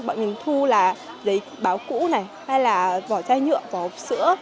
dù là giấy báo cũ này hay là vỏ chai nhựa vỏ hộp sữa